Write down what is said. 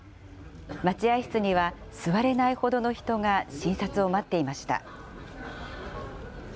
待合室には、座れないほどの人が診察を待っていました。